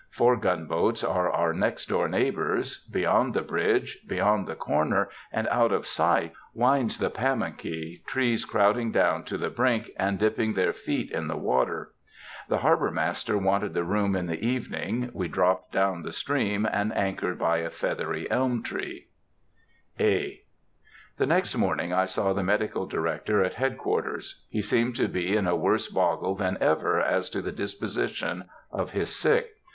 Four gunboats are our next door neighbors. Beyond the bridge, round the corner, and out of sight, winds the Pamunkey, trees crowding down to the brink and dipping their feet in the water. The Harbor Master wanting the room in the evening, we dropped down the stream and anchored by a feathery elm tree. (A.) The next morning I saw the Medical Director at head quarters. He seems to be in a worse boggle than ever as to the disposition of his sick.